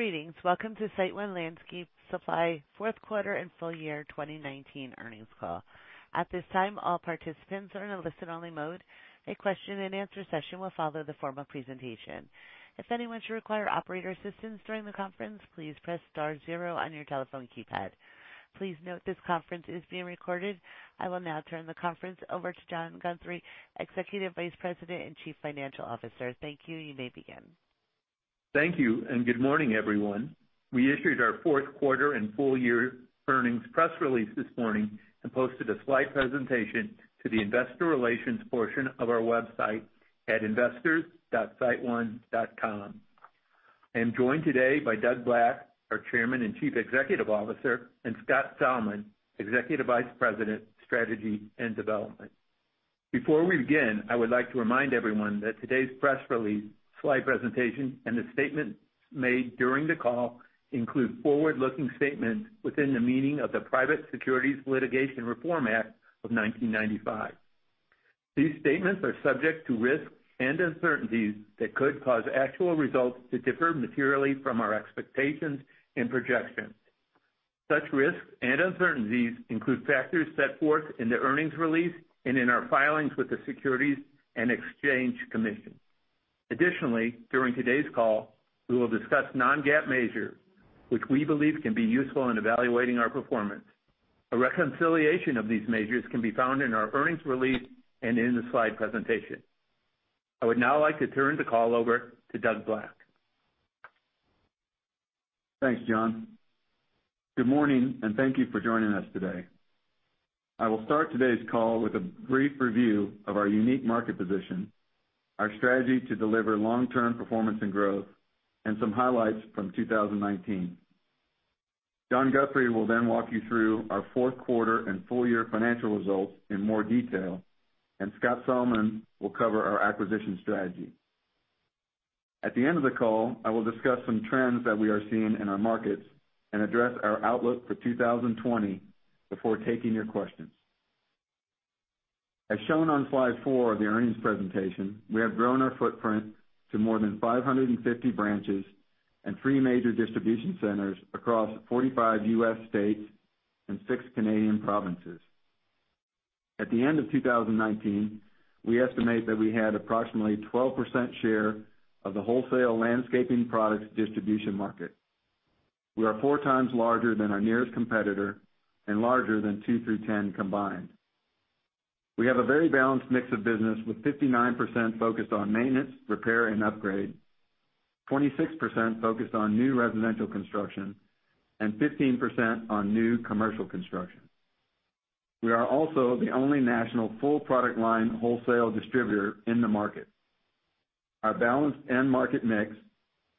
Greetings. Welcome to SiteOne Landscape Supply fourth quarter and full year 2019 earnings call. At this time, all participants are in a listen-only mode. A question and answer session will follow the formal presentation. If anyone should require operator assistance during the conference, please press star zero on your telephone keypad. Please note this conference is being recorded. I will now turn the conference over to John Guthrie, Executive Vice President and Chief Financial Officer. Thank you. You may begin. Thank you, and good morning, everyone. We issued our fourth quarter and full year earnings press release this morning and posted a slide presentation to the investor relations portion of our website at investors.siteone.com. I am joined today by Doug Black, our Chairman and Chief Executive Officer, and Scott Salmon, Executive Vice President, Strategy and Development. Before we begin, I would like to remind everyone that today's press release, slide presentation, and the statements made during the call include forward-looking statements within the meaning of the Private Securities Litigation Reform Act of 1995. These statements are subject to risks and uncertainties that could cause actual results to differ materially from our expectations and projections. Such risks and uncertainties include factors set forth in the earnings release and in our filings with the Securities and Exchange Commission. Additionally, during today's call, we will discuss non-GAAP measures which we believe can be useful in evaluating our performance. A reconciliation of these measures can be found in our earnings release and in the slide presentation. I would now like to turn the call over to Doug Black. Thanks, John. Good morning, and thank you for joining us today. I will start today's call with a brief review of our unique market position, our strategy to deliver long-term performance and growth, and some highlights from 2019. John Guthrie will then walk you through our fourth quarter and full year financial results in more detail, and Scott Salmon will cover our acquisition strategy. At the end of the call, I will discuss some trends that we are seeing in our markets and address our outlook for 2020 before taking your questions. As shown on slide four of the earnings presentation, we have grown our footprint to more than 550 branches and three major Distribution Centers across 45 U.S. states and six Canadian provinces. At the end of 2019, we estimate that we had approximately 12% share of the wholesale landscaping products distribution market. We are 4x larger than our nearest competitor and larger than two through 10 combined. We have a very balanced mix of business, with 59% focused on maintenance, repair, and upgrade, 26% focused on new residential construction, and 15% on new commercial construction. We are also the only national full-product line wholesale distributor in the market. Our balanced end market mix,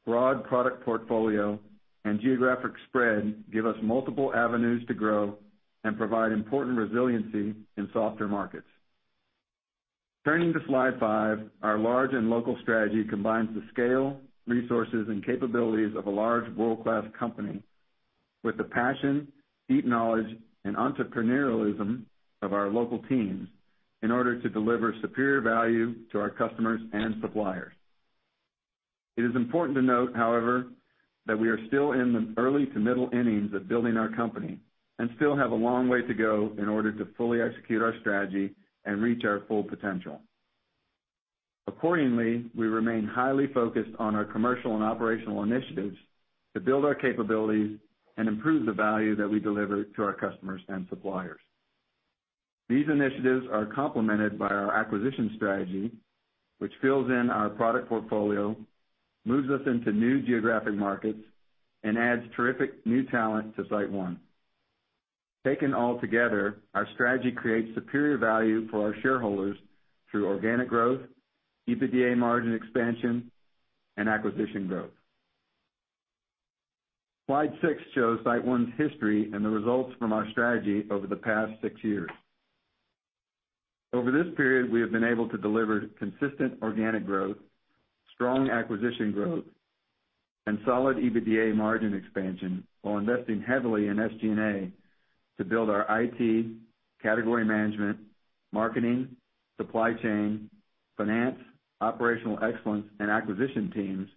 broad product portfolio, and geographic spread give us multiple avenues to grow and provide important resiliency in softer markets. Turning to slide five, our large and local strategy combines the scale, resources, and capabilities of a large world-class company with the passion, deep knowledge, and entrepreneurialism of our local teams in order to deliver superior value to our customers and suppliers. It is important to note, however, that we are still in the early to middle innings of building our company and still have a long way to go in order to fully execute our strategy and reach our full potential. Accordingly, we remain highly focused on our commercial and operational initiatives to build our capabilities and improve the value that we deliver to our customers and suppliers. These initiatives are complemented by our acquisition strategy, which fills in our product portfolio, moves us into new geographic markets, and adds terrific new talent to SiteOne. Taken all together, our strategy creates superior value for our shareholders through organic growth, EBITDA margin expansion, and acquisition growth. Slide six shows SiteOne's history and the results from our strategy over the past six years. Over this period, we have been able to deliver consistent organic growth, strong acquisition growth, and solid EBITDA margin expansion while investing heavily in SG&A to build our IT, category management, marketing, supply chain, finance, operational excellence, and acquisition teams,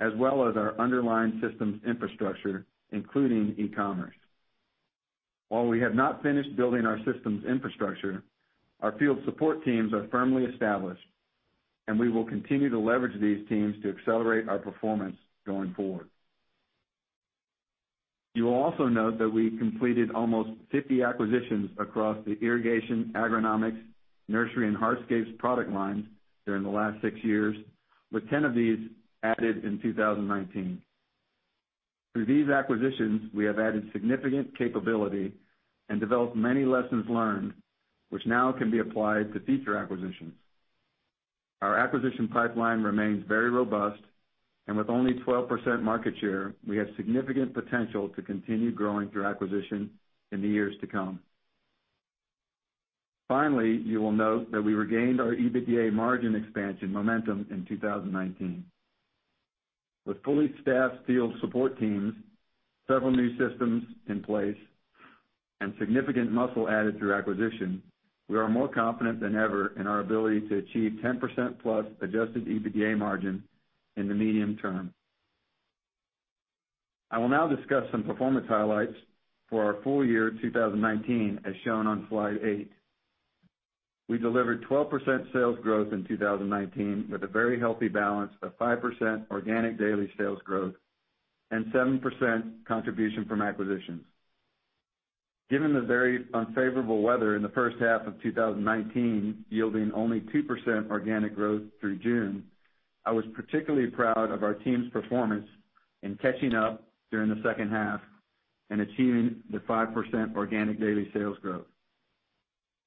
as well as our underlying systems infrastructure, including e-commerce. While we have not finished building our systems infrastructure, our field support teams are firmly established, and we will continue to leverage these teams to accelerate our performance going forward. You will also note that we completed almost 50 acquisitions across the irrigation, agronomics, nursery, and hardscapes product lines during the last six years, with 10 of these added in 2019. Through these acquisitions, we have added significant capability and developed many lessons learned, which now can be applied to future acquisitions. Our acquisition pipeline remains very robust, and with only 12% market share, we have significant potential to continue growing through acquisition in the years to come. Finally, you will note that we regained our EBITDA margin expansion momentum in 2019. With fully staffed field support teams, several new systems in place, and significant muscle added through acquisition, we are more confident than ever in our ability to achieve 10% plus adjusted EBITDA margin in the medium term. I will now discuss some performance highlights for our full year 2019 as shown on slide eight. We delivered 12% sales growth in 2019 with a very healthy balance of 5% organic daily sales growth and 7% contribution from acquisitions. Given the very unfavorable weather in the first half of 2019, yielding only 2% organic growth through June, I was particularly proud of our team's performance in catching up during the second half and achieving the 5% organic daily sales growth.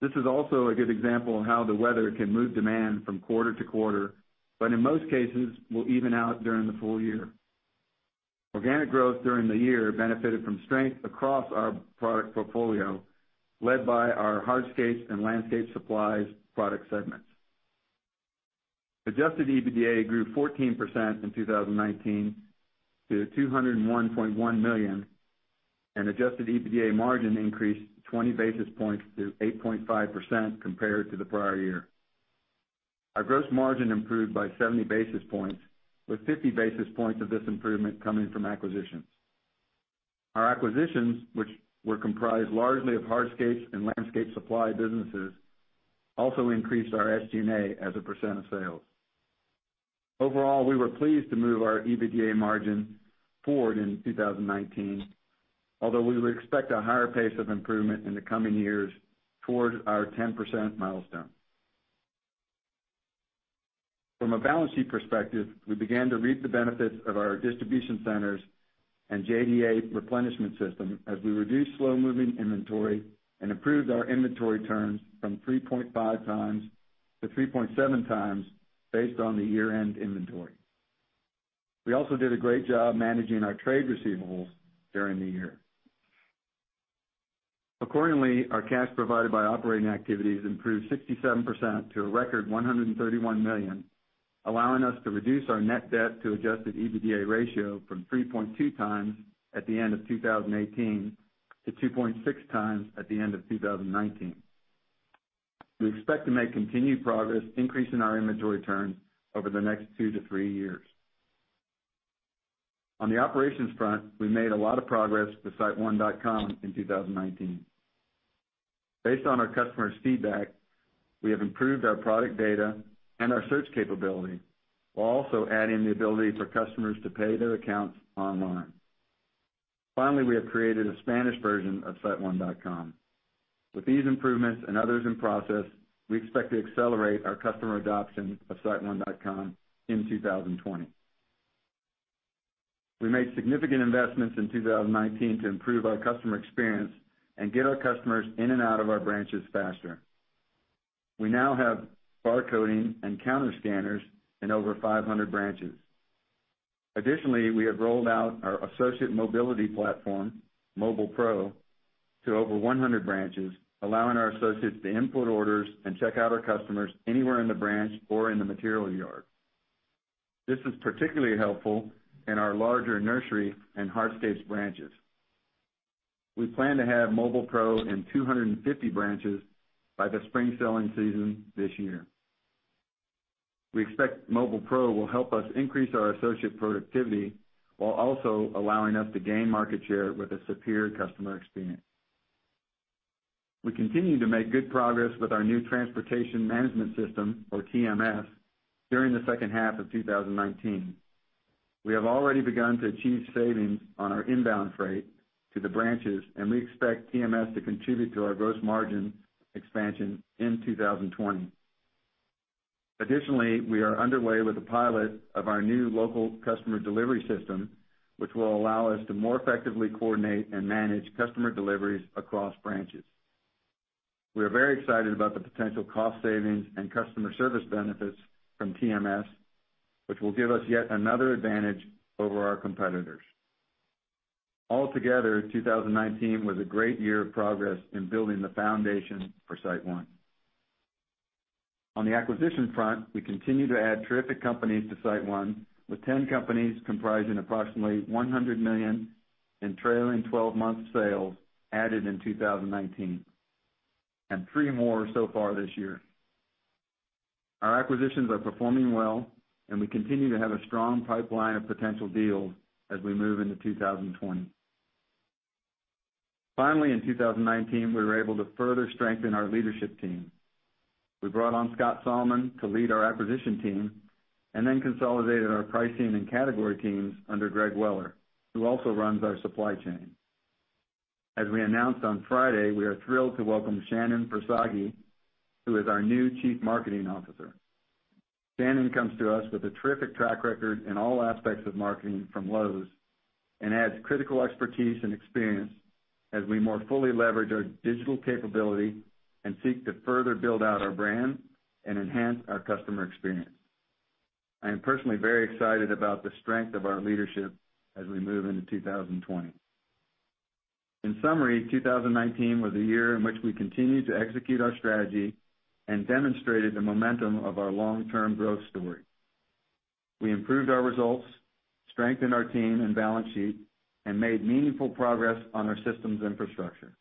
This is also a good example of how the weather can move demand from quarter to quarter, but in most cases will even out during the full year. Organic growth during the year benefited from strength across our product portfolio, led by our Hardscapes and Landscape Supplies product segments. Adjusted EBITDA grew 14% in 2019 to $201.1 million, and adjusted EBITDA margin increased 20 basis points to 8.5% compared to the prior year. Our gross margin improved by 70 basis points with 50 basis points of this improvement coming from acquisitions. Our acquisitions, which were comprised largely of Hardscapes and Landscape Supply businesses, also increased our SG&A as a percent of sales. Overall, we were pleased to move our EBITDA margin forward in 2019. Although we would expect a higher pace of improvement in the coming years towards our 10% milestone. From a balance sheet perspective, we began to reap the benefits of our Distribution Centers and JDA replenishment system as we reduced slow-moving inventory and improved our inventory turns from 3.5x to 3.7x based on the year-end inventory. We also did a great job managing our trade receivables during the year. Accordingly, our cash provided by operating activities improved 67% to a record $131 million, allowing us to reduce our net debt to adjusted EBITDA ratio from 3.2x at the end of 2018 to 2.6x at the end of 2019. We expect to make continued progress increasing our inventory turn over the next two to three years. On the operations front, we made a lot of progress with SiteOne.com in 2019. Based on our customer's feedback, we have improved our product data and our search capability, while also adding the ability for customers to pay their accounts online. Finally, we have created a Spanish version of SiteOne.com. With these improvements and others in process, we expect to accelerate our customer adoption of SiteOne.com in 2020. We made significant investments in 2019 to improve our customer experience and get our customers in and out of our branches faster. We now have barcoding and counter scanners in over 500 branches. Additionally, we have rolled out our associate mobility platform, Mobile PRO, to over 100 branches, allowing our associates to input orders and check out our customers anywhere in the branch or in the material yard. This is particularly helpful in our larger nursery and hardscapes branches. We plan to have Mobile PRO in 250 branches by the spring selling season this year. We expect Mobile PRO will help us increase our associate productivity while also allowing us to gain market share with a superior customer experience. We continue to make good progress with our new transportation management system or TMS during the second half of 2019. We have already begun to achieve savings on our inbound freight to the branches, and we expect TMS to contribute to our gross margin expansion in 2020. Additionally, we are underway with the pilot of our new local customer delivery system, which will allow us to more effectively coordinate and manage customer deliveries across branches. We are very excited about the potential cost savings and customer service benefits from TMS, which will give us yet another advantage over our competitors. Altogether, 2019 was a great year of progress in building the foundation for SiteOne. On the acquisition front, we continue to add terrific companies to SiteOne with 10 companies comprising approximately $100 million in trailing 12 months sales added in 2019, and three more so far this year. Our acquisitions are performing well, and we continue to have a strong pipeline of potential deals as we move into 2020. In 2019, we were able to further strengthen our leadership team. We brought on Scott Salmon to lead our acquisition team then consolidated our pricing and category teams under Greg Weller, who also runs our supply chain. As we announced on Friday, we are thrilled to welcome Shannon Versaggi, who is our new Chief Marketing Officer. Shannon comes to us with a terrific track record in all aspects of marketing from Lowe's adds critical expertise and experience as we more fully leverage our digital capability and seek to further build out our brand and enhance our customer experience. I am personally very excited about the strength of our leadership as we move into 2020. In summary, 2019 was a year in which we continued to execute our strategy and demonstrated the momentum of our long-term growth story. We improved our results, strengthened our team and balance sheet, and made meaningful progress on our systems infrastructure.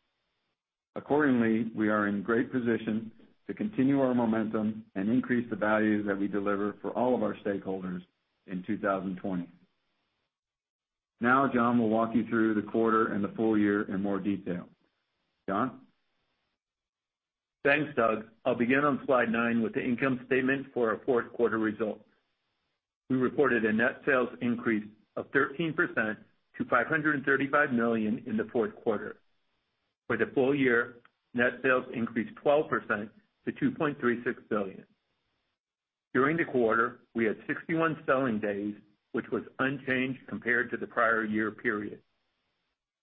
Accordingly, we are in great position to continue our momentum and increase the value that we deliver for all of our stakeholders in 2020. Now, John will walk you through the quarter and the full year in more detail. John? Thanks, Doug. I'll begin on slide nine with the income statement for our fourth quarter results. We reported a net sales increase of 13% to $535 million in the fourth quarter. For the full year, net sales increased 12% to $2.36 billion. During the quarter, we had 61 selling days, which was unchanged compared to the prior year period.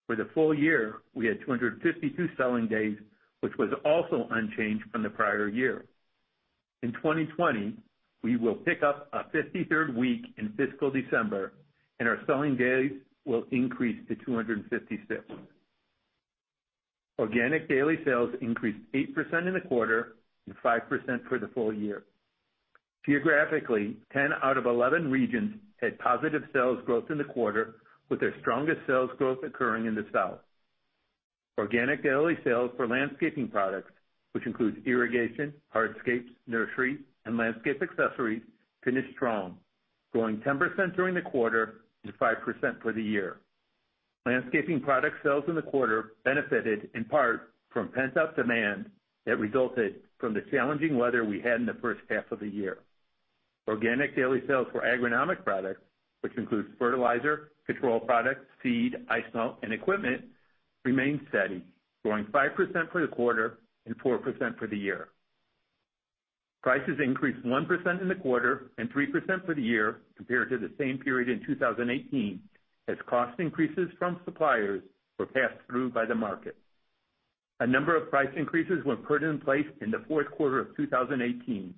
For the full year, we had 252 selling days, which was also unchanged from the prior year. In 2020, we will pick up a 53rd week in fiscal December, and our selling days will increase to 256. Organic daily sales increased 8% in the quarter and 5% for the full year. Geographically, 10 out of 11 regions had positive sales growth in the quarter, with their strongest sales growth occurring in the south. Organic daily sales for landscaping products, which includes irrigation, hardscapes, nursery, and landscape accessories, finished strong, growing 10% during the quarter and 5% for the year. Landscaping product sales in the quarter benefited in part from pent-up demand that resulted from the challenging weather we had in the first half of the year. Organic daily sales for agronomic products, which includes fertilizer, control products, seed, ice melt, and equipment, remained steady, growing 5% for the quarter and 4% for the year. Prices increased 1% in the quarter and 3% for the year compared to the same period in 2018, as cost increases from suppliers were passed through by the market. A number of price increases were put in place in the fourth quarter of 2018,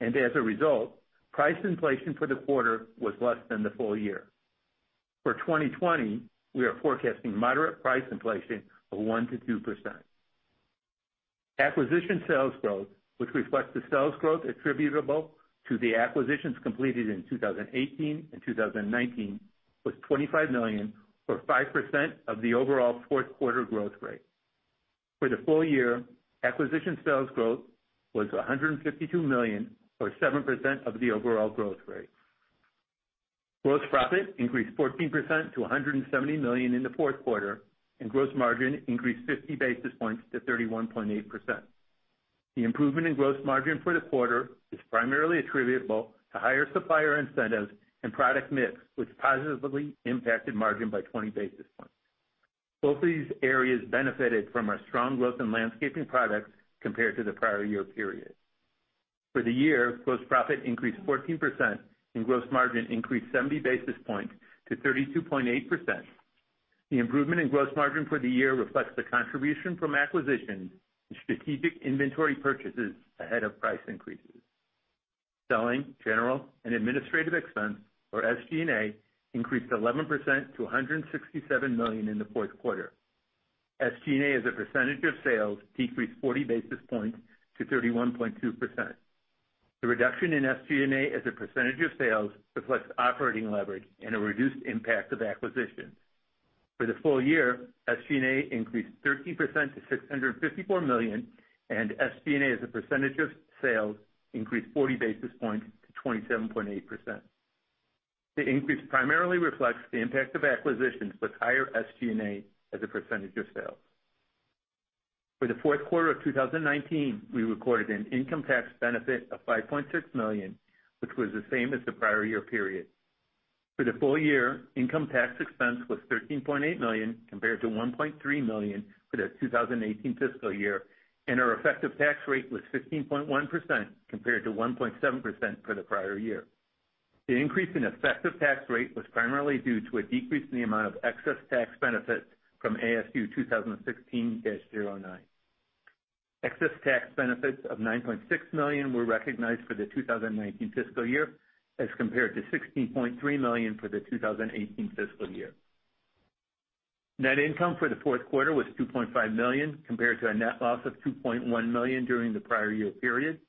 and as a result, price inflation for the quarter was less than the full year. For 2020, we are forecasting moderate price inflation of 1%-2%. Acquisition sales growth, which reflects the sales growth attributable to the acquisitions completed in 2018 and 2019, was $25 million, or 5% of the overall fourth quarter growth rate. For the full year, acquisition sales growth was $152 million, or 7% of the overall growth rate. Gross profit increased 14% to $170 million in the fourth quarter, and gross margin increased 50 basis points to 31.8%. The improvement in gross margin for the quarter is primarily attributable to higher supplier incentives and product mix, which positively impacted margin by 20 basis points. Both of these areas benefited from our strong growth in landscaping products compared to the prior year period. For the year, gross profit increased 14%, and gross margin increased 70 basis points to 32.8%. The improvement in gross margin for the year reflects the contribution from acquisitions and strategic inventory purchases ahead of price increases. Selling, general, and administrative expense, or SG&A, increased 11% to $167 million in the fourth quarter. SG&A as a percentage of sales decreased 40 basis points to 31.2%. The reduction in SG&A as a percentage of sales reflects operating leverage and a reduced impact of acquisitions. For the full year, SG&A increased 13% to $654 million, and SG&A as a percentage of sales increased 40 basis points to 27.8%. The increase primarily reflects the impact of acquisitions with higher SG&A as a percentage of sales. For the fourth quarter of 2019, we recorded an income tax benefit of $5.6 million, which was the same as the prior year period. For the full year, income tax expense was $13.8 million, compared to $1.3 million for the 2018 fiscal year. Our effective tax rate was 15.1%, compared to 1.7% for the prior year. The increase in effective tax rate was primarily due to a decrease in the amount of excess tax benefits from ASU 2016-09. Excess tax benefits of $9.6 million were recognized for the 2019 fiscal year as compared to $16.3 million for the 2018 fiscal year. Net income for the fourth quarter was $2.5 million, compared to a net loss of $2.1 million during the prior year period.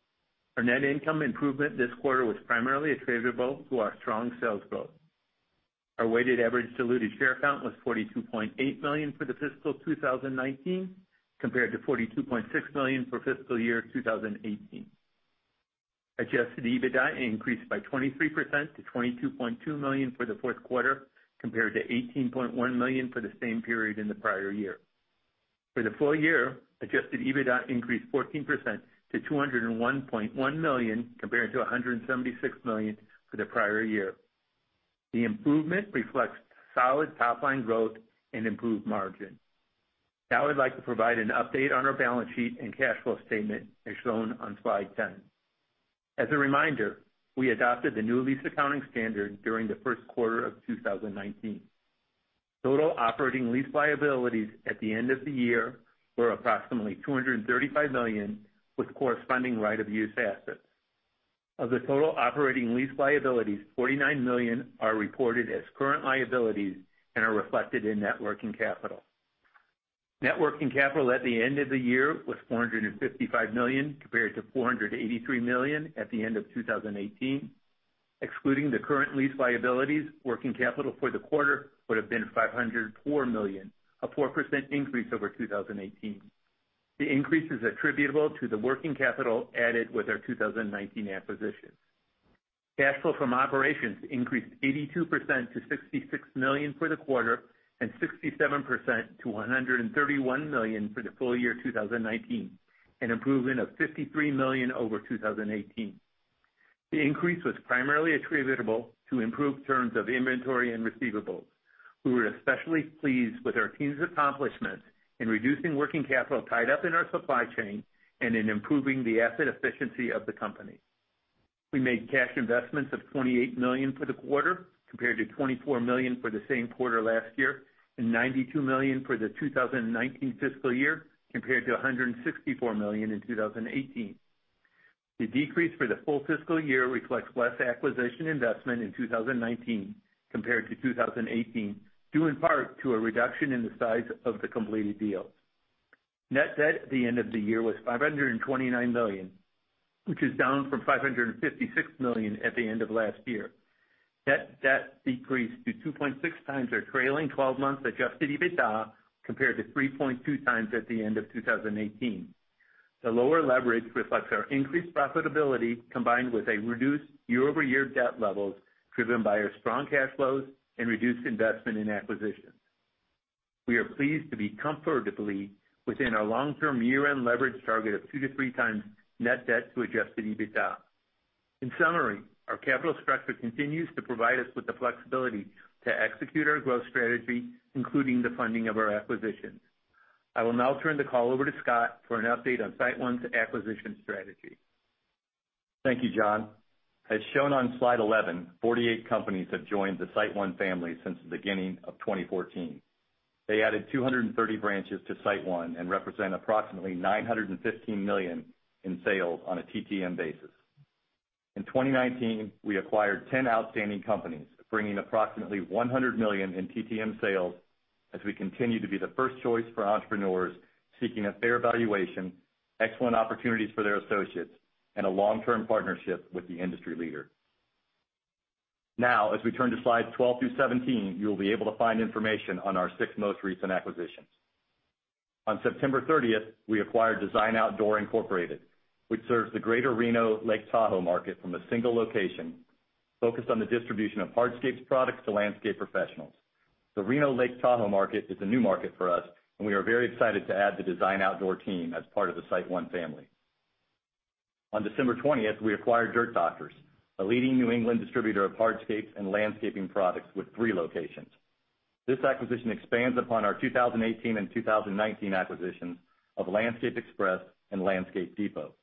Our net income improvement this quarter was primarily attributable to our strong sales growth. Our weighted average diluted share count was 42.8 million for the fiscal 2019, compared to 42.6 million for fiscal year 2018. Adjusted EBITDA increased by 23% to $22.2 million for the fourth quarter, compared to $18.1 million for the same period in the prior year. For the full year, Adjusted EBITDA increased 14% to $201.1 million, compared to $176 million for the prior year. The improvement reflects solid top-line growth and improved margin. Now I'd like to provide an update on our balance sheet and cash flow statement as shown on slide 10. As a reminder, we adopted the new lease accounting standard during the first quarter of 2019. Total operating lease liabilities at the end of the year were approximately $235 million, with corresponding right of use assets. Of the total operating lease liabilities, $49 million are reported as current liabilities and are reflected in net working capital. Net working capital at the end of the year was $455 million compared to $483 million at the end of 2018. Excluding the current lease liabilities, working capital for the quarter would have been $504 million, a 4% increase over 2018. The increase is attributable to the working capital added with our 2019 acquisition. Cash flow from operations increased 82% to $66 million for the quarter and 67% to $131 million for the full year 2019, an improvement of $53 million over 2018. The increase was primarily attributable to improved terms of inventory and receivables. We were especially pleased with our team's accomplishment in reducing working capital tied up in our supply chain and in improving the asset efficiency of the company. We made cash investments of $28 million for the quarter compared to $24 million for the same quarter last year and $92 million for the 2019 fiscal year compared to $164 million in 2018. The decrease for the full fiscal year reflects less acquisition investment in 2019 compared to 2018, due in part to a reduction in the size of the completed deals. Net debt at the end of the year was $529 million, which is down from $556 million at the end of last year. Net debt decreased to 2.6x our trailing 12 months adjusted EBITDA compared to 3.2x at the end of 2018. The lower leverage reflects our increased profitability combined with a reduced year-over-year debt levels driven by our strong cash flows and reduced investment in acquisitions. We are pleased to be comfortably within our long-term year-end leverage target of 2x-3x net debt to adjusted EBITDA. In summary, our capital structure continues to provide us with the flexibility to execute our growth strategy, including the funding of our acquisitions. I will now turn the call over to Scott for an update on SiteOne's acquisition strategy. Thank you, John. As shown on slide 11, 48 companies have joined the SiteOne family since the beginning of 2014. They added 230 branches to SiteOne and represent approximately $915 million in sales on a TTM basis. In 2019, we acquired 10 outstanding companies, bringing approximately $100 million in TTM sales as we continue to be the first choice for entrepreneurs seeking a fair valuation, excellent opportunities for their associates, and a long-term partnership with the industry leader. Now, as we turn to slides 12 through 17, you will be able to find information on our six most recent acquisitions. On September 30th, we acquired Design Outdoor Incorporated, which serves the greater Reno Lake Tahoe market from a single location focused on the distribution of hardscapes products to landscape professionals. The Reno/Lake Tahoe market is a new market for us, and we are very excited to add the Design Outdoor team as part of the SiteOne family. On December 20th, we acquired Dirt Doctors, a leading New England distributor of hardscapes and landscaping products with three locations. This acquisition expands upon our 2018 and 2019 acquisitions of Landscape Express and Landscape Depot.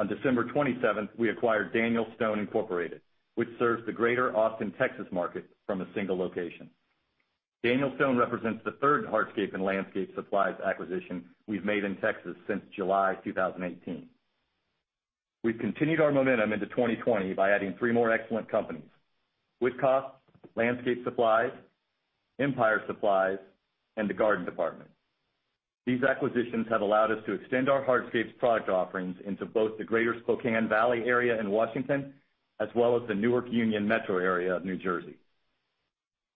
On December 27th, we acquired Daniel Stone Incorporated, which serves the greater Austin, Texas, market from a single location. Daniel Stone represents the third hardscape and landscape supplies acquisition we've made in Texas since July 2018. We've continued our momentum into 2020 by adding three more excellent companies, Wittkopf Landscape Supplies, Empire Supplies, and The Garden Department. These acquisitions have allowed us to extend our hardscapes product offerings into both the greater Spokane Valley area in Washington as well as the Newark-Union Metro area of New Jersey.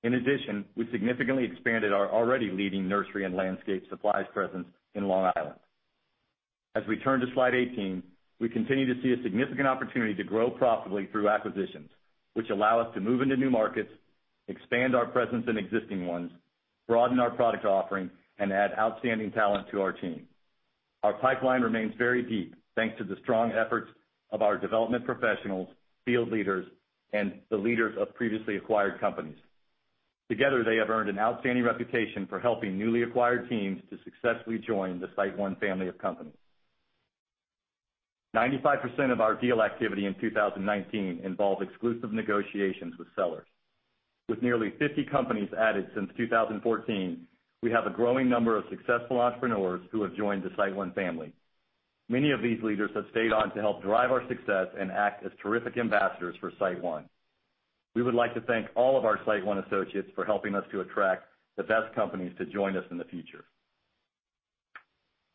We significantly expanded our already leading nursery and landscape supplies presence in Long Island. As we turn to slide 18, we continue to see a significant opportunity to grow profitably through acquisitions, which allow us to move into new markets, expand our presence in existing ones, broaden our product offering, and add outstanding talent to our team. Our pipeline remains very deep, thanks to the strong efforts of our development professionals, field leaders, and the leaders of previously acquired companies. Together, they have earned an outstanding reputation for helping newly acquired teams to successfully join the SiteOne family of companies. 95% of our deal activity in 2019 involved exclusive negotiations with sellers. With nearly 50 companies added since 2014, we have a growing number of successful entrepreneurs who have joined the SiteOne family. Many of these leaders have stayed on to help drive our success and act as terrific ambassadors for SiteOne. We would like to thank all of our SiteOne associates for helping us to attract the best companies to join us in the future.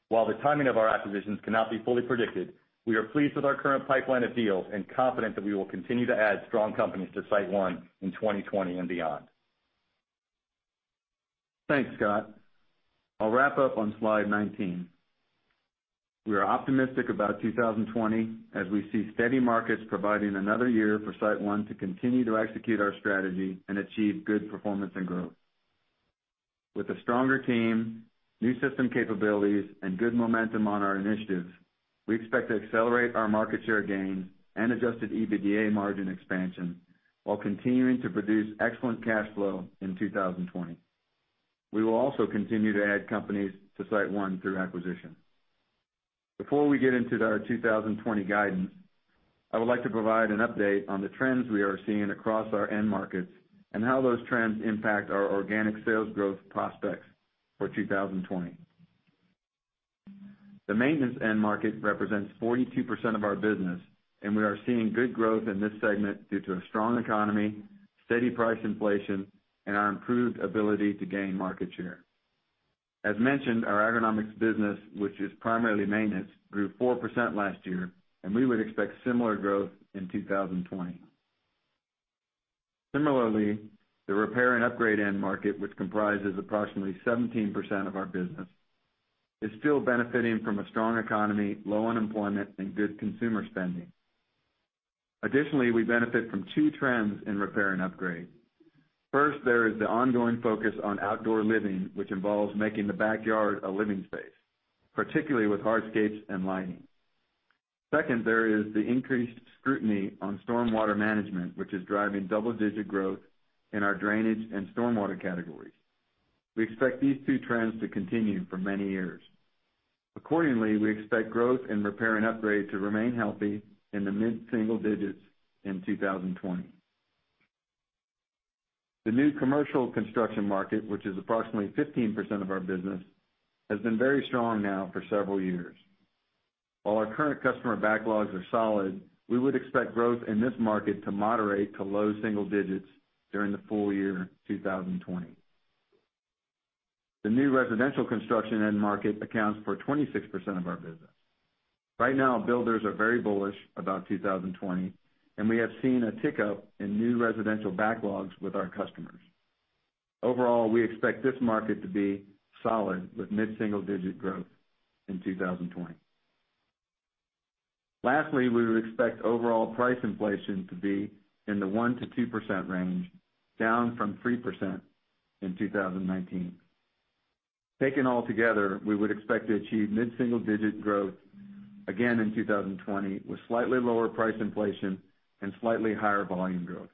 While the timing of our acquisitions cannot be fully predicted, we are pleased with our current pipeline of deals and confident that we will continue to add strong companies to SiteOne in 2020 and beyond. Thanks, Scott. I'll wrap up on slide 19. We are optimistic about 2020 as we see steady markets providing another year for SiteOne to continue to execute our strategy and achieve good performance and growth. With a stronger team, new system capabilities, and good momentum on our initiatives, we expect to accelerate our market share gains and adjusted EBITDA margin expansion while continuing to produce excellent cash flow in 2020. We will also continue to add companies to SiteOne through acquisition. Before we get into our 2020 guidance, I would like to provide an update on the trends we are seeing across our end markets and how those trends impact our organic sales growth prospects for 2020. The maintenance end market represents 42% of our business, and we are seeing good growth in this segment due to a strong economy, steady price inflation, and our improved ability to gain market share. As mentioned, our agronomics business, which is primarily maintenance, grew 4% last year, and we would expect similar growth in 2020. Similarly, the repair and upgrade end market, which comprises approximately 17% of our business, is still benefiting from a strong economy, low unemployment, and good consumer spending. Additionally, we benefit from two trends in repair and upgrade. First, there is the ongoing focus on outdoor living, which involves making the backyard a living space, particularly with hardscapes and lighting. Second, there is the increased scrutiny on stormwater management, which is driving double-digit growth in our drainage and stormwater categories. We expect these two trends to continue for many years. Accordingly, we expect growth in repair and upgrade to remain healthy in the mid-single digits in 2020. The new commercial construction market, which is approximately 15% of our business, has been very strong now for several years. While our current customer backlogs are solid, we would expect growth in this market to moderate to low double digits during the full year 2020. The new residential construction end market accounts for 26% of our business. Right now, builders are very bullish about 2020, and we have seen a tick-up in new residential backlogs with our customers. Overall, we expect this market to be solid with mid-single-digit growth in 2020. Lastly, we would expect overall price inflation to be in the 1%-2% range, down from 3% in 2019. Taken all together, we would expect to achieve mid-single-digit growth again in 2020, with slightly lower price inflation and slightly higher volume growth.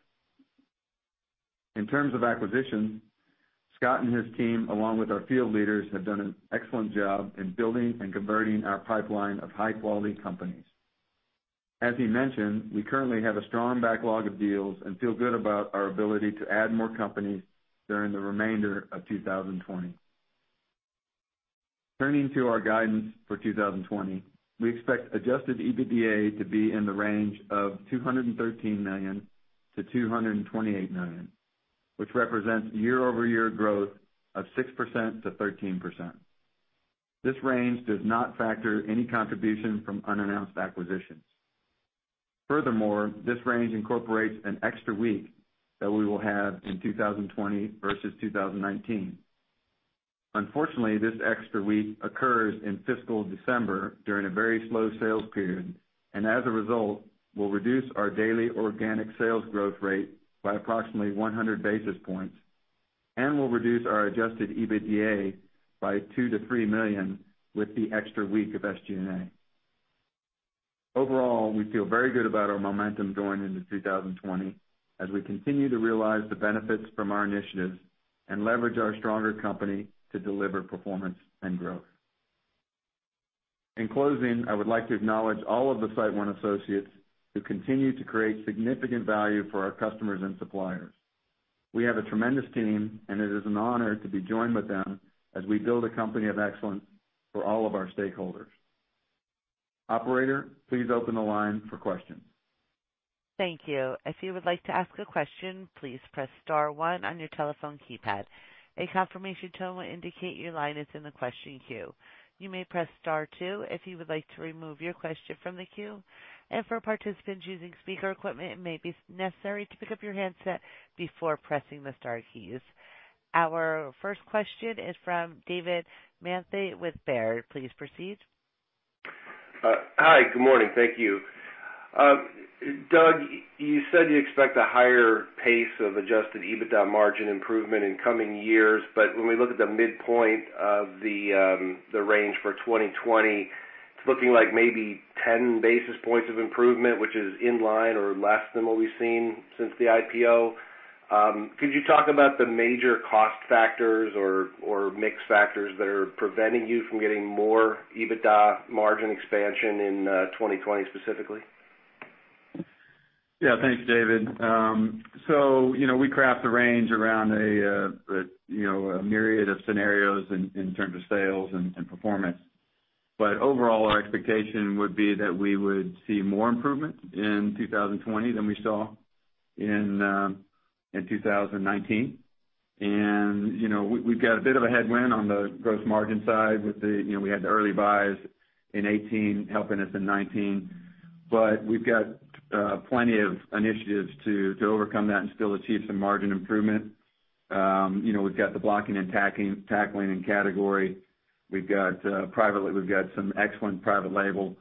In terms of acquisition, Scott and his team, along with our field leaders, have done an excellent job in building and converting our pipeline of high-quality companies. As he mentioned, we currently have a strong backlog of deals and feel good about our ability to add more companies during the remainder of 2020. Turning to our guidance for 2020, we expect adjusted EBITDA to be in the range of $213 million-$228 million, which represents year-over-year growth of 6%-13%. This range does not factor any contribution from unannounced acquisitions. Furthermore, this range incorporates an extra week that we will have in 2020 versus 2019. Unfortunately, this extra week occurs in fiscal December during a very slow sales period, and as a result, will reduce our daily organic sales growth rate by approximately 100 basis points and will reduce our adjusted EBITDA by $2 million-$3 million with the extra week of SG&A. Overall, we feel very good about our momentum going into 2020 as we continue to realize the benefits from our initiatives and leverage our stronger company to deliver performance and growth. In closing, I would like to acknowledge all of the SiteOne associates who continue to create significant value for our customers and suppliers. We have a tremendous team, and it is an honor to be joined with them as we build a company of excellence for all of our stakeholders. Operator, please open the line for questions. Thank you. If you would like to ask a question, please press star one on your telephone keypad. A confirmation tone will indicate your line is in the question queue. You may press star two if you would like to remove your question from the queue. For participants using speaker equipment, it may be necessary to pick up your handset before pressing the star keys. Our first question is from David Manthey with Baird. Please proceed. Hi. Good morning. Thank you. Doug, you said you expect a higher pace of adjusted EBITDA margin improvement in coming years, but when we look at the midpoint of the range for 2020, it's looking like maybe 10 basis points of improvement, which is in line or less than what we've seen since the IPO. Could you talk about the major cost factors or mix factors that are preventing you from getting more EBITDA margin expansion in 2020 specifically? Yeah. Thanks, David. We craft the range around a myriad of scenarios in terms of sales and performance. Overall, our expectation would be that we would see more improvement in 2020 than we saw in 2019. We've got a bit of a headwind on the gross margin side. We had the early buys in 2018 helping us in 2019, but we've got plenty of initiatives to overcome that and still achieve some margin improvement. We've got the blocking and tackling in category. We've got some excellent private label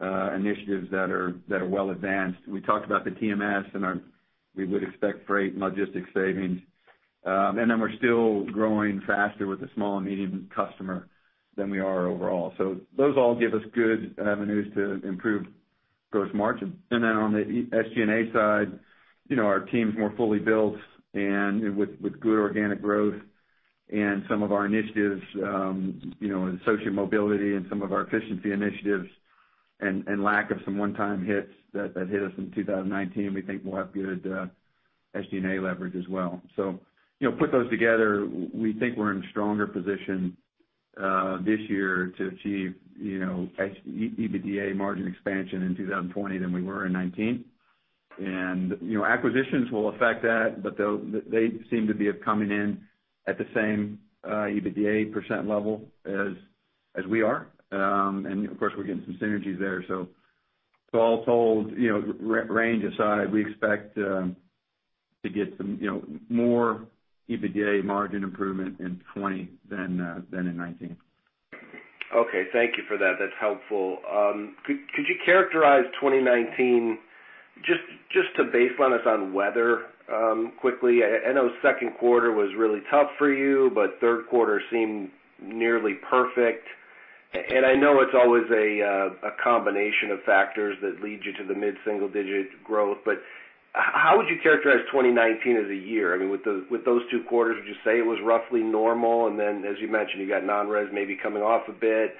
initiatives that are well advanced. We talked about the TMS, and we would expect freight and logistics savings. We're still growing faster with the small and medium customer than we are overall. Those all give us good avenues to improve gross margin. On the SG&A side, our team's more fully built and with good organic growth and some of our initiatives, associate mobility and some of our efficiency initiatives, and lack of some one-time hits that hit us in 2019, we think will have good SG&A leverage as well. Put those together, we think we're in a stronger position this year to achieve EBITDA margin expansion in 2020 than we were in 2019. Acquisitions will affect that, but they seem to be coming in at the same EBITDA % level as we are. Of course, we're getting some synergies there. All told, range aside, we expect to get some more EBITDA margin improvement in 2020 than in 2019. Okay. Thank you for that. That is helpful. Could you characterize 2019 just to baseline us on weather quickly? I know second quarter was really tough for you, but third quarter seemed nearly perfect. I know it is always a combination of factors that lead you to the mid-single-digit growth, but how would you characterize 2019 as a year? I mean, with those two quarters, would you say it was roughly normal? Then as you mentioned, you got non-res maybe coming off a bit,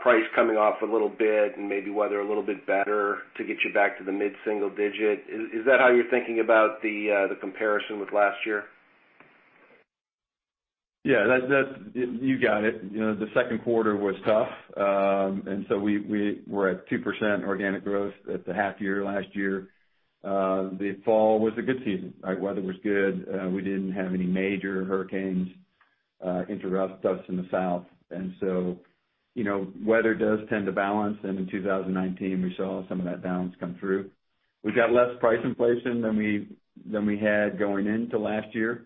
price coming off a little bit, and maybe weather a little bit better to get you back to the mid-single digit. Is that how you are thinking about the comparison with last year? Yeah. You got it. The second quarter was tough. We were at 2% organic growth at the half year last year. The fall was a good season. Our weather was good. We didn't have any major hurricanes interrupt us in the south. Weather does tend to balance, and in 2019, we saw some of that balance come through. We've got less price inflation than we had going into last year.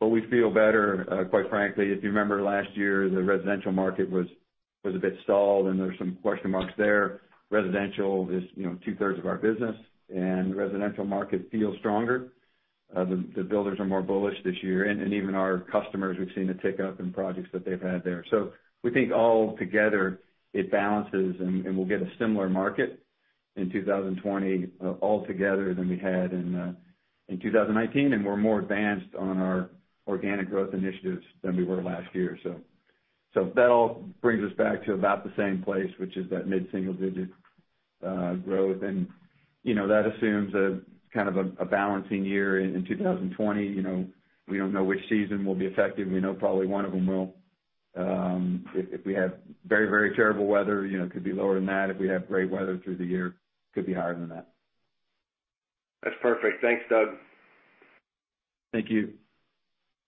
We feel better, quite frankly. If you remember last year, the residential market was a bit stalled, and there were some question marks there. Residential is two-thirds of our business. The residential market feels stronger. The builders are more bullish this year. Even our customers, we've seen a tick up in projects that they've had there. We think all together, it balances, and we'll get a similar market in 2020 altogether than we had in 2019, and we're more advanced on our organic growth initiatives than we were last year. That all brings us back to about the same place, which is that mid-single digit growth. That assumes a kind of a balancing year in 2020. We don't know which season will be effective. We know probably one of them will. If we have very terrible weather, it could be lower than that. If we have great weather through the year, it could be higher than that. That's perfect. Thanks, Doug. Thank you.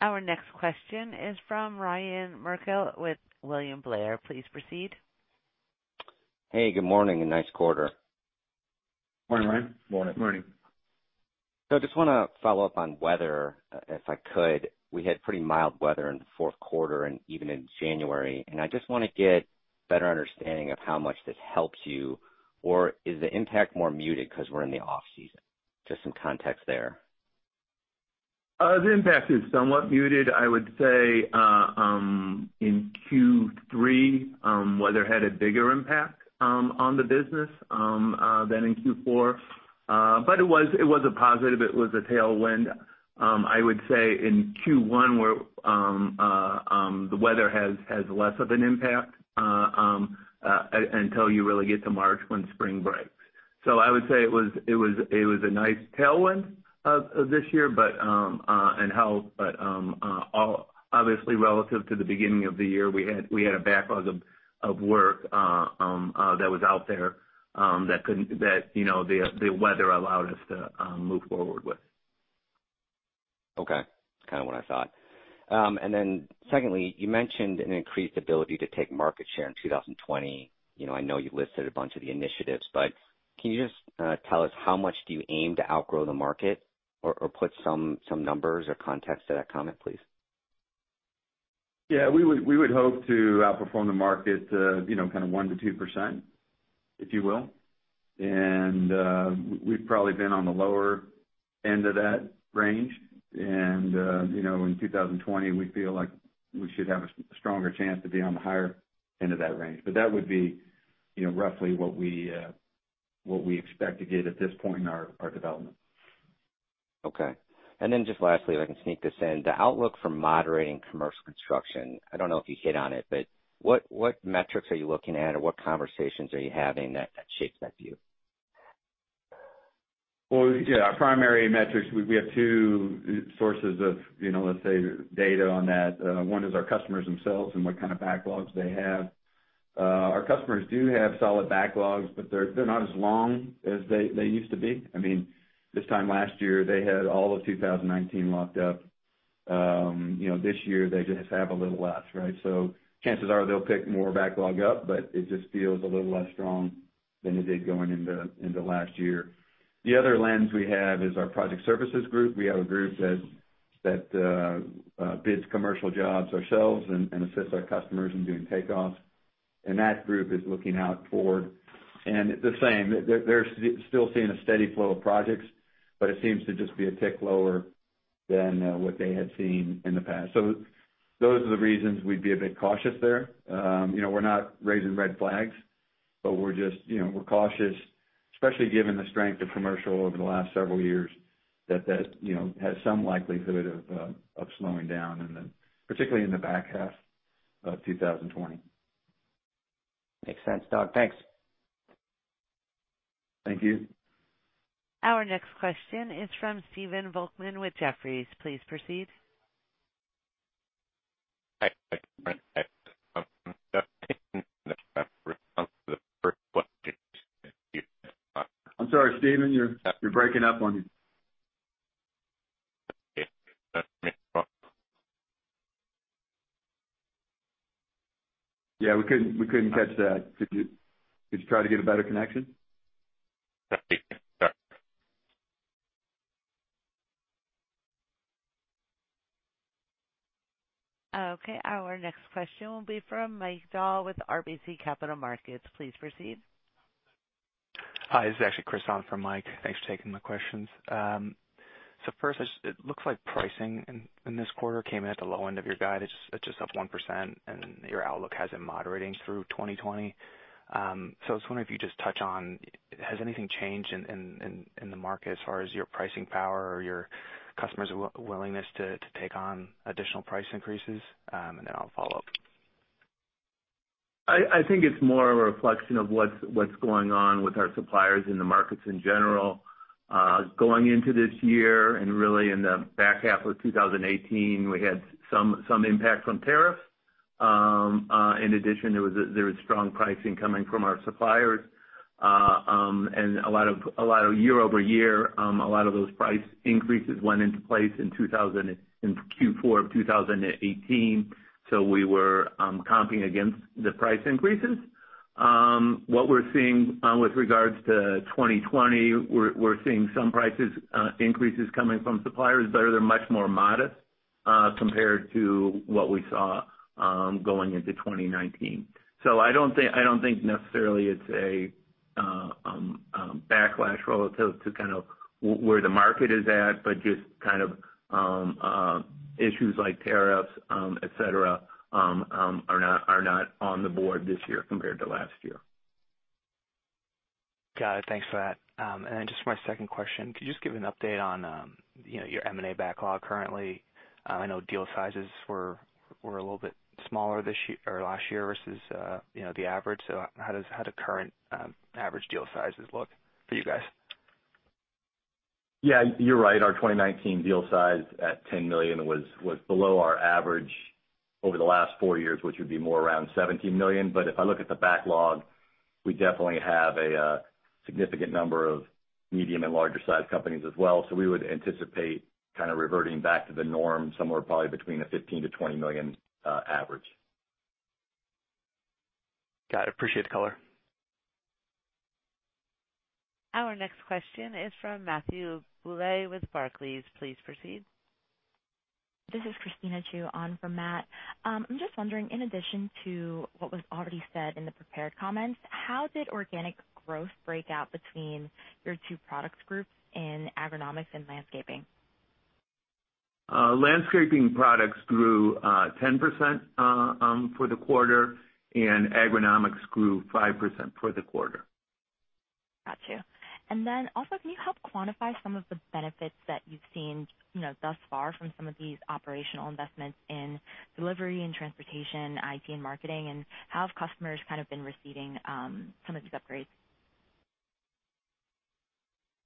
Our next question is from Ryan Merkel with William Blair. Please proceed. Hey, good morning and nice quarter. Morning, Ryan. Morning. Morning. I just want to follow up on weather, if I could. We had pretty mild weather in the fourth quarter and even in January, and I just want to get a better understanding of how much this helps you, or is the impact more muted because we're in the off-season? Just some context there. The impact is somewhat muted. I would say in Q3, weather had a bigger impact on the business than in Q4. It was a positive. It was a tailwind. I would say in Q1, the weather has less of an impact until you really get to March when spring breaks. I would say it was a nice tailwind this year, but obviously relative to the beginning of the year, we had a backlog of work that was out there that the weather allowed us to move forward with. Okay. That's kind of what I thought. Secondly, you mentioned an increased ability to take market share in 2020. I know you listed a bunch of the initiatives, can you just tell us how much do you aim to outgrow the market or put some numbers or context to that comment, please? Yeah. We would hope to outperform the market kind of 1%-2%, if you will. We've probably been on the lower end of that range. In 2020, we feel like we should have a stronger chance to be on the higher end of that range. That would be roughly what we expect to get at this point in our development. Okay. Just lastly, if I can sneak this in, the outlook for moderating commercial construction, I don't know if you hit on it, but what metrics are you looking at or what conversations are you having that shapes that view? Well, yeah, our primary metrics, we have two sources of, let's say, data on that. One is our customers themselves and what kind of backlogs they have. Our customers do have solid backlogs, they're not as long as they used to be. I mean, this time last year, they had all of 2019 locked up. This year they just have a little less, right? Chances are they'll pick more backlog up, it just feels a little less strong than it did going into last year. The other lens we have is our project services group. We have a group that bids commercial jobs ourselves and assists our customers in doing takeoffs. That group is looking out forward. The same, they're still seeing a steady flow of projects, it seems to just be a tick lower than what they had seen in the past. Those are the reasons we'd be a bit cautious there. We're not raising red flags, but we're cautious especially given the strength of commercial over the last several years, that has some likelihood of slowing down, particularly in the back half of 2020. Makes sense, Doug. Thanks. Thank you. Our next question is from Stephen Volkmann with Jefferies. Please proceed. I'm sorry, Stephen, you're breaking up on me. Yeah, we couldn't catch that. Could you try to get a better connection? Okay. Our next question will be from Mike Dahl with RBC Capital Markets. Please proceed. Hi, this is actually Chris on for Mike. Thanks for taking my questions. First, it looks like pricing in this quarter came in at the low end of your guidance. It's just up 1%, and your outlook has it moderating through 2020. I was wondering if you just touch on, has anything changed in the market as far as your pricing power or your customers' willingness to take on additional price increases? I'll follow up. I think it's more a reflection of what's going on with our suppliers in the markets in general. Going into this year and really in the back half of 2018, we had some impact from tariffs. In addition, there was strong pricing coming from our suppliers. Year-over-year, a lot of those price increases went into place in Q4 of 2018. We were comping against the price increases. What we're seeing with regards to 2020, we're seeing some price increases coming from suppliers, but they're much more modest compared to what we saw going into 2019. I don't think necessarily it's a backlash relative to where the market is at, but just issues like tariffs, et cetera, are not on the board this year compared to last year. Got it. Thanks for that. Just for my second question, could you just give an update on your M&A backlog currently? I know deal sizes were a little bit smaller last year versus the average. How do current average deal sizes look for you guys? Yeah. You're right. Our 2019 deal size at $10 million was below our average over the last four years, which would be more around $17 million. If I look at the backlog, we definitely have a significant number of medium and larger sized companies as well. We would anticipate reverting back to the norm somewhere probably between a $15 million-$20 million average. Got it. Appreciate the color. Our next question is from Matthew Bouley with Barclays. Please proceed. This is Christina Chiu on for Matt. I'm just wondering, in addition to what was already said in the prepared comments, how did organic growth break out between your two products groups in agronomics and landscaping? Landscaping products grew 10% for the quarter, and agronomics grew 5% for the quarter. Got you. Can you help quantify some of the benefits that you've seen thus far from some of these operational investments in delivery and transportation, IT and marketing? How have customers been receiving some of these upgrades?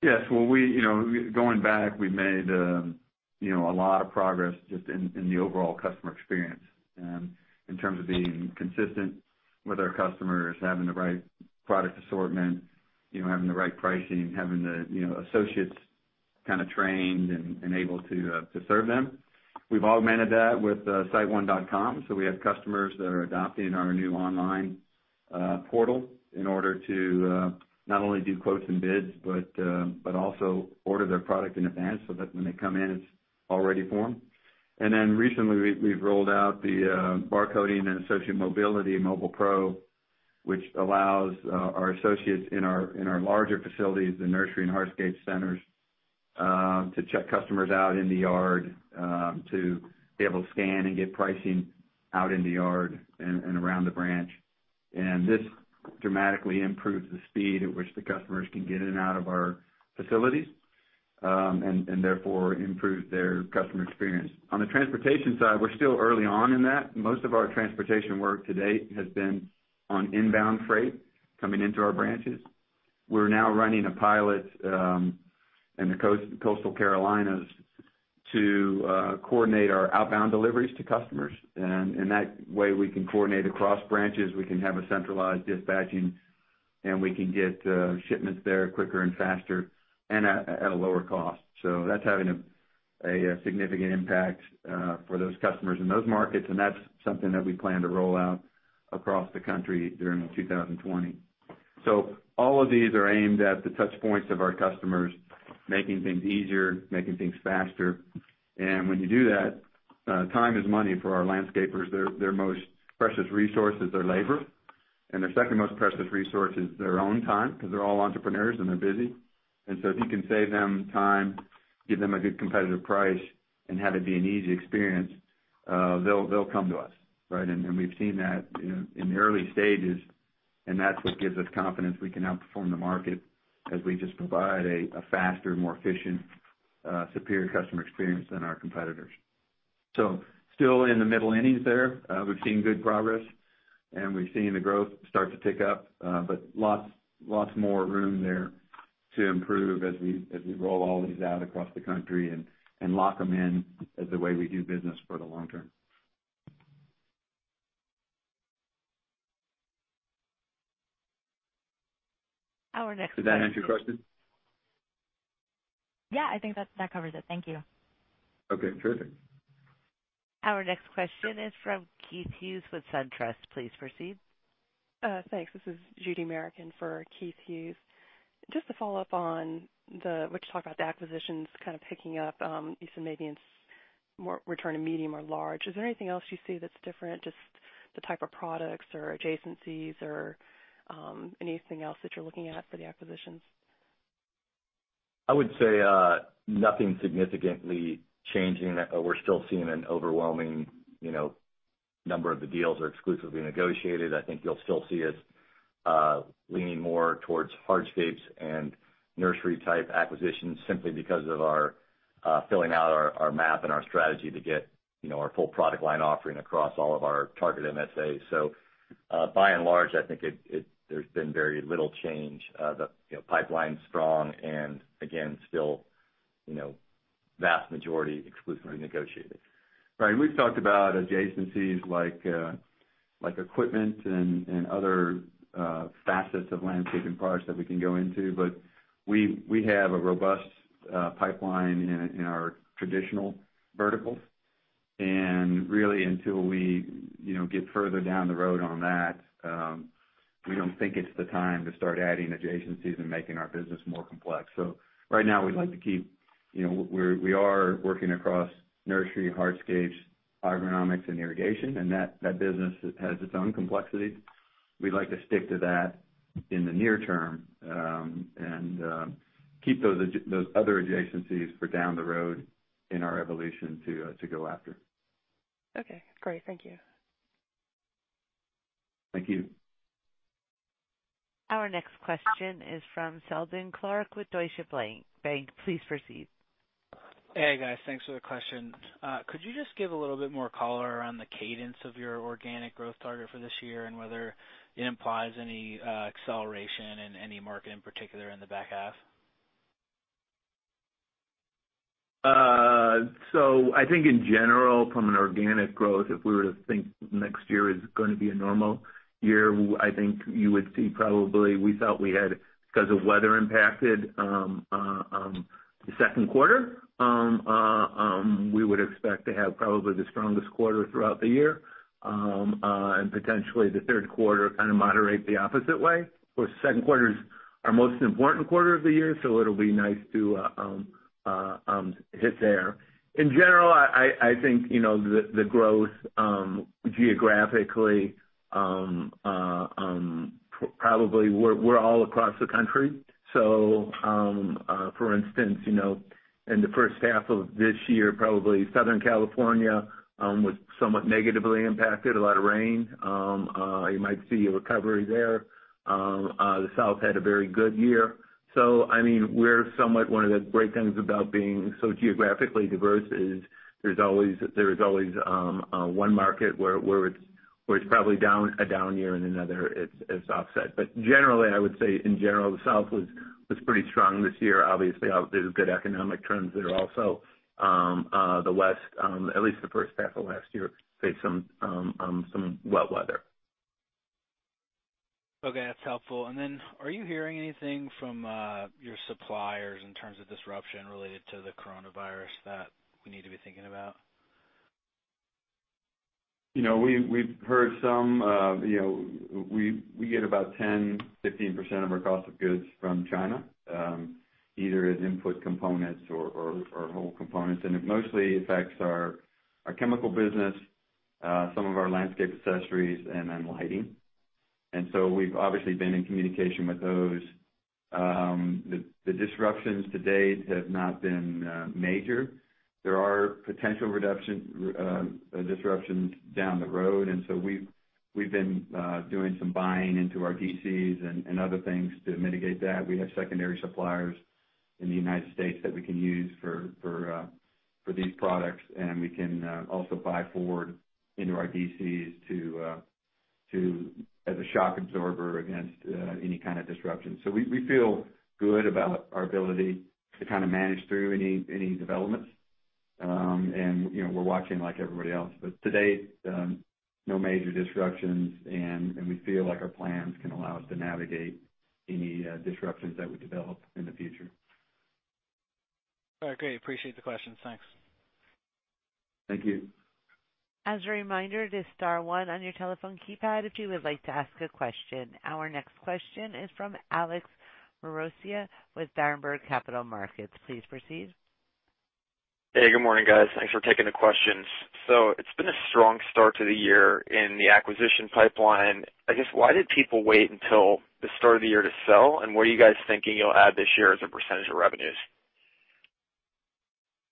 Yes. Going back, we've made a lot of progress just in the overall customer experience, in terms of being consistent with our customers, having the right product assortment, having the right pricing, having the associates trained and able to serve them. We've augmented that with siteone.com. We have customers that are adopting our new online portal in order to not only do quotes and bids, but also order their product in advance so that when they come in, it's already formed. Recently, we've rolled out the barcoding and associate mobility, Mobile PRO, which allows our associates in our larger facilities, the nursery and hardscape centers, to check customers out in the yard, to be able to scan and get pricing out in the yard and around the branch. This dramatically improves the speed at which the customers can get in and out of our facilities, and therefore improves their customer experience. On the transportation side, we're still early on in that. Most of our transportation work to date has been on inbound freight coming into our branches. We're now running a pilot in the coastal Carolinas to coordinate our outbound deliveries to customers. In that way, we can coordinate across branches, we can have a centralized dispatching, and we can get shipments there quicker and faster and at a lower cost. That's having a significant impact for those customers in those markets, and that's something that we plan to roll out across the country during 2020. All of these are aimed at the touch points of our customers, making things easier, making things faster. When you do that, time is money for our landscapers. Their most precious resource is their labor, and their second most precious resource is their own time, because they're all entrepreneurs, and they're busy. If you can save them time, give them a good competitive price and have it be an easy experience. They'll come to us, right? We've seen that in the early stages, and that's what gives us confidence we can outperform the market as we just provide a faster, more efficient, superior customer experience than our competitors. Still in the middle innings there. We've seen good progress, and we've seen the growth start to tick up. Lots more room there to improve as we roll all these out across the country and lock them in as the way we do business for the long term. Our next- Does that answer your question? Yeah, I think that covers it. Thank you. Okay. Terrific. Our next question is from Keith Hughes with SunTrust. Please proceed. Thanks. This is Judith Merrick for Keith Hughes. Just to follow up on what you talked about, the acquisitions kind of picking up. You said maybe it's more returning medium or large. Is there anything else you see that's different, just the type of products or adjacencies or anything else that you're looking at for the acquisitions? I would say nothing significantly changing. We're still seeing an overwhelming number of the deals are exclusively negotiated. I think you'll still see us leaning more towards hardscapes and nursery-type acquisitions simply because of our filling out our map and our strategy to get our full product line offering across all of our target MSAs. By and large, I think there's been very little change. The pipeline's strong and again, still vast majority exclusively negotiated. Right. We've talked about adjacencies like equipment and other facets of landscape and parts that we can go into. We have a robust pipeline in our traditional verticals. Really, until we get further down the road on that, we don't think it's the time to start adding adjacencies and making our business more complex. We are working across nursery, hardscapes, agronomics and irrigation, and that business has its own complexities. We'd like to stick to that in the near term and keep those other adjacencies for down the road in our evolution to go after. Okay, great. Thank you. Thank you. Our next question is from Seldon Clarke with Deutsche Bank. Please proceed. Hey, guys. Thanks for the question. Could you just give a little bit more color on the cadence of your organic growth target for this year and whether it implies any acceleration in any market, in particular in the back half? I think in general, from an organic growth, if we were to think next year is going to be a normal year, I think you would see probably we felt we had, because of weather impacted, the second quarter. We would expect to have probably the strongest quarter throughout the year. Potentially the third quarter kind of moderate the opposite way. Second quarter is our most important quarter of the year, so it'll be nice to hit there. In general, I think, the growth geographically, probably we're all across the country. For instance, in the first half of this year, probably Southern California was somewhat negatively impacted. A lot of rain. You might see a recovery there. The South had a very good year. One of the great things about being so geographically diverse is there's always one market where it's probably a down year and another it's offset. Generally, I would say in general, the South was pretty strong this year. Obviously, there's good economic trends that are also, the West, at least the first half of last year, faced some wet weather. Okay. That's helpful. Then are you hearing anything from your suppliers in terms of disruption related to the coronavirus that we need to be thinking about? We've heard some. We get about 10-15% of our cost of goods from China, either as input components or whole components. It mostly affects our chemical business, some of our landscape accessories, and then lighting. We've obviously been in communication with those. The disruptions to date have not been major. There are potential disruptions down the road. We've been doing some buying into our DCs and other things to mitigate that. We have secondary suppliers in the United States that we can use for these products, and we can also buy forward into our DCs as a shock absorber against any kind of disruption. We feel good about our ability to kind of manage through any developments. We're watching like everybody else. To date, no major disruptions, and we feel like our plans can allow us to navigate any disruptions that would develop in the future. Okay. Appreciate the question. Thanks. Thank you. As a reminder, it is star one on your telephone keypad if you would like to ask a question. Our next question is from Alex Maroccia with Berenberg Capital Markets. Please proceed. Hey, good morning, guys. Thanks for taking the questions. It's been a strong start to the year in the acquisition pipeline. I guess, why did people wait until the start of the year to sell? What are you guys thinking you'll add this year as a percentage of revenues?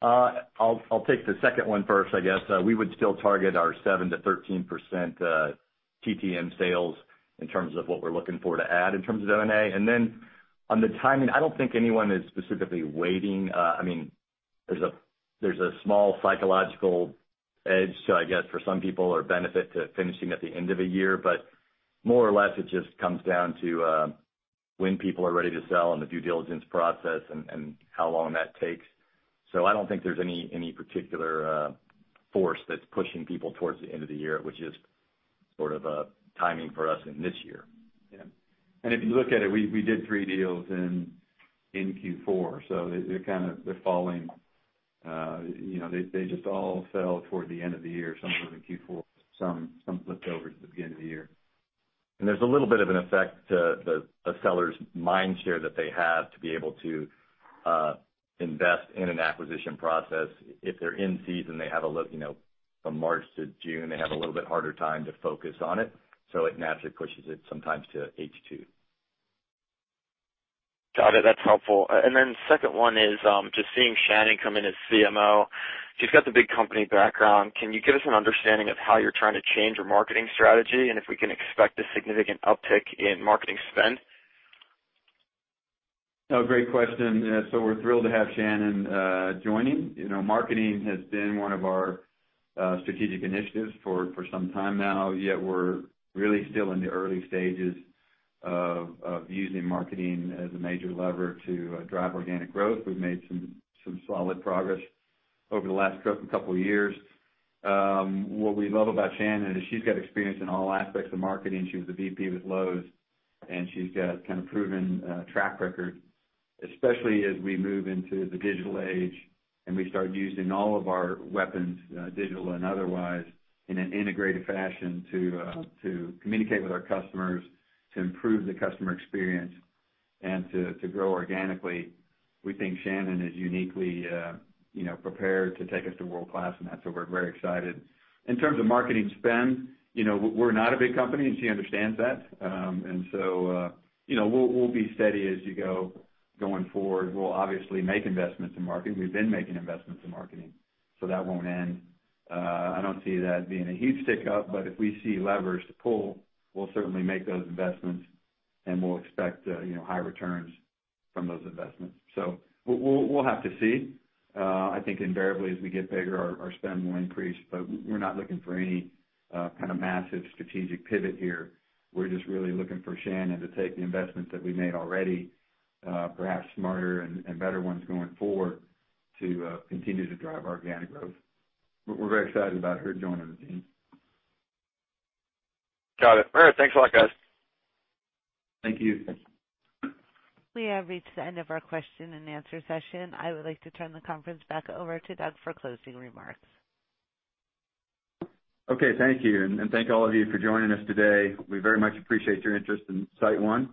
I'll take the second one first, I guess. We would still target our 7%-13% TTM sales in terms of what we're looking for to add in terms of M&A. On the timing, I don't think anyone is specifically waiting. There's a small psychological edge, so I guess for some people, or benefit to finishing at the end of a year. More or less, it just comes down to when people are ready to sell and the due diligence process and how long that takes. I don't think there's any particular force that's pushing people towards the end of the year, which is sort of a timing for us in this year. Yeah. If you look at it, we did three deals in Q4, so they're falling. They just all fell toward the end of the year, some within Q4, some left over to the beginning of the year. There's a little bit of an effect to the seller's mind share that they have to be able to invest in an acquisition process. If they're in season, from March to June, they have a little bit harder time to focus on it, so it naturally pushes it sometimes to H2. Got it. That's helpful. Second one is, just seeing Shannon come in as CMO, she's got the big company background. Can you give us an understanding of how you're trying to change your marketing strategy and if we can expect a significant uptick in marketing spend? Great question. We're thrilled to have Shannon joining. Marketing has been one of our strategic initiatives for some time now, yet we're really still in the early stages of using marketing as a major lever to drive organic growth. We've made some solid progress over the last couple of years. What we love about Shannon is she's got experience in all aspects of marketing. She was a VP with Lowe's, and she's got kind of proven track record, especially as we move into the digital age and we start using all of our weapons, digital and otherwise, in an integrated fashion to communicate with our customers, to improve the customer experience, and to grow organically. We think Shannon is uniquely prepared to take us to world-class, and that's why we're very excited. In terms of marketing spend, we're not a big company, and she understands that. We'll be steady as you go going forward. We'll obviously make investments in marketing. We've been making investments in marketing, so that won't end. I don't see that being a huge tick up, but if we see levers to pull, we'll certainly make those investments and we'll expect high returns from those investments. We'll have to see. I think invariably as we get bigger, our spend will increase, but we're not looking for any kind of massive strategic pivot here. We're just really looking for Shannon to take the investments that we made already, perhaps smarter and better ones going forward, to continue to drive organic growth. We're very excited about her joining the team. Got it. All right. Thanks a lot, guys. Thank you. We have reached the end of our question and answer session. I would like to turn the conference back over to Doug for closing remarks. Okay. Thank you. Thank all of you for joining us today. We very much appreciate your interest in SiteOne.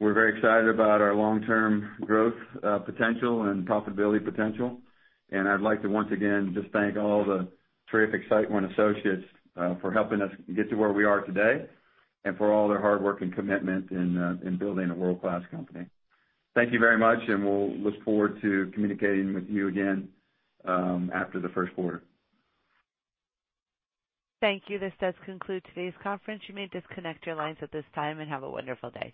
We're very excited about our long-term growth potential and profitability potential. I'd like to once again just thank all the terrific SiteOne associates for helping us get to where we are today and for all their hard work and commitment in building a world-class company. Thank you very much, We'll look forward to communicating with you again after the first quarter. Thank you. This does conclude today's conference. You may disconnect your lines at this time, and have a wonderful day.